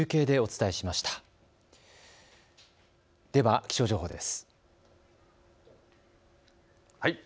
では気象情報です。